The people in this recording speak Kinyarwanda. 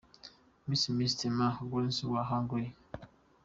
Miss Miss Timea Gelencser wa Hungary.